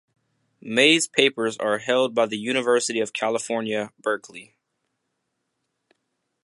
May's papers are held by the University of California, Berkeley.